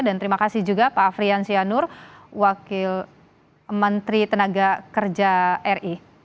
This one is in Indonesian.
dan terima kasih juga pak afrian sianur wakil menteri tenaga kerja ri